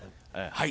はい。